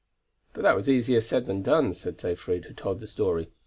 "But that was easier said than done," said Seyfried who told the story.